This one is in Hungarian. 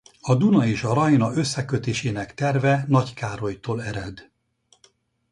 A Duna és a Rajna összekötésének terve Nagy Károlytól ered.